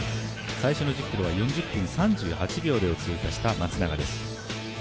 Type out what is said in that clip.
最初の１０ｋｍは４０分３８秒で通過した松永です。